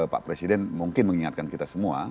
pak presiden mungkin mengingatkan kita semua